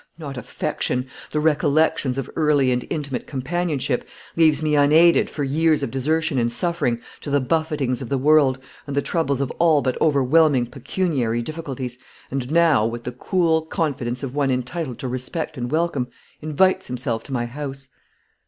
not affection the recollections of early and intimate companionship, leaves me unaided, for years of desertion and suffering, to the buffetings of the world, and the troubles of all but overwhelming pecuniary difficulties, and now, with the cool confidence of one entitled to respect and welcome, invites himself to my house.